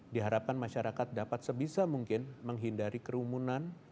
diharapkan masyarakat dapat sebisa mungkin menghindari kerumunan